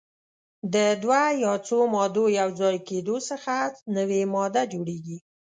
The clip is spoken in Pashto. د دوه یا څو مادو یو ځای کیدو څخه نوې ماده جوړیږي.